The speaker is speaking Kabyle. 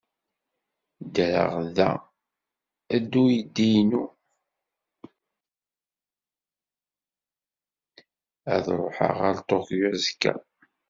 Ad ruḥeɣ ar Toyo azekka.